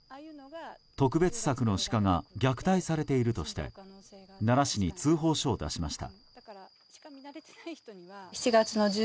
特別柵のシカが虐待されているとして奈良市に通報書を出しました。